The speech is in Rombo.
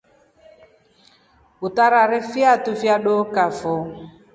Utarare fiatu fya dookafo.